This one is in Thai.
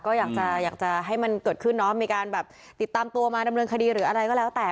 ก็อยากจะอยากจะให้มันเกิดขึ้นเนาะมีการแบบติดตามตัวมาดำเนินคดีหรืออะไรก็แล้วแต่